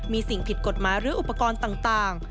มีสิ่งผิดกฎหมายหรืออุปกรณ์ต่าง